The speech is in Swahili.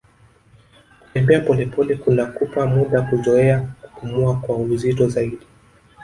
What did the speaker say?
kutembea polepole kunakupa muda kuzoea kupumua kwa uzito zaidi